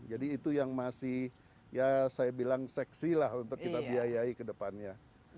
jadi itu yang masih ya saya bilang seksi lah untuk kita biayai kedepannya